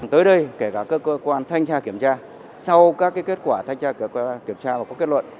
tới đây kể cả các cơ quan thanh tra kiểm tra sau các kết quả thanh tra kiểm tra và có kết luận